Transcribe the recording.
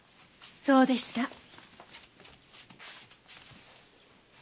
そうでした。